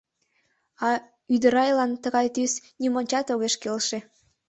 А ӱдырайлан тыгай тӱс нимончат огеш келше.